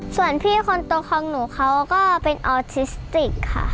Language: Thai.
ส่วนพี่คนโตของหนูเขาก็เป็นออทิสติกค่ะ